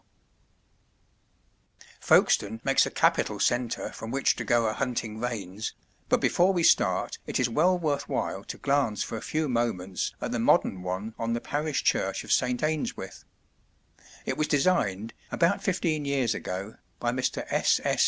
Folkestone makes a capital centre from which to go a hunting vanes, but before we start it is well worth while to glance for a few moments at the modern one on the Parish Church of St. Eanswythe. It was designed, about fifteen years ago, by Mr. S. S.